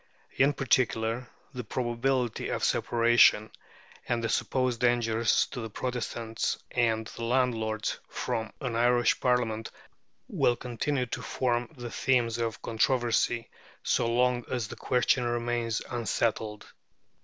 In particular, the probability of separation, and the supposed dangers to the Protestants and the landlords from an Irish Parliament, will continue to form the themes of controversy so long as the question remains unsettled.